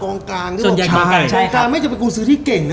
กรงกลางไม่ได้ไปคุณซื้อที่เก่งแล้ว